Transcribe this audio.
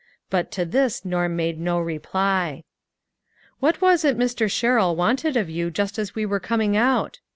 But to this, Norm made no reply. " What was it Mr. Sherrill wanted of you just as we were coming out?"